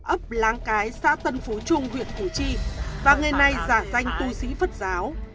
ấp láng cái xã tân phú trung huyện củ chi và người này giả danh tu sĩ phật giáo